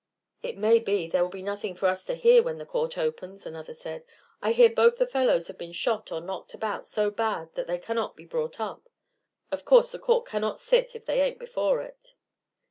"It may be there will be nothing for us to hear when the court opens," another said. "I hear both the fellows have been shot or knocked about so bad that they cannot be brought up. Of course the court cannot sit if they aint before it."